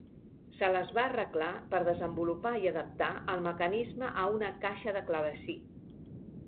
Se les va arreglar per desenvolupar i adaptar el mecanisme a una caixa de clavecí.